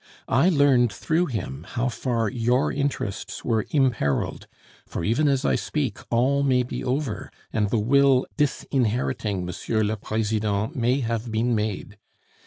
I learned through him how far your interests were imperiled; for even as I speak, all may be over, and the will disinheriting M. le President may have been made.